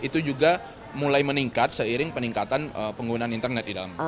itu juga mulai meningkat seiring peningkatan penggunaan internet di dalam